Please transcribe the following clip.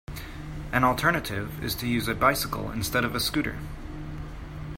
An alternative is to use a bicycle instead of a scooter.